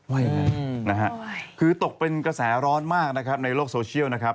เว่ยคือตกเป็นกระแสร้อนมากนะครับในโลกโซเชียลนะครับ